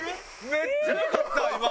めっちゃ良かったわ今！